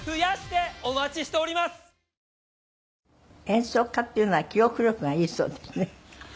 演奏家っていうのは記憶力がいいそうですね。